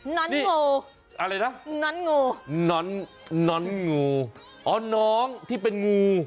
้อนงูอะไรนะน้อนงูน้อนน้อนงูอ๋อน้องที่เป็นงู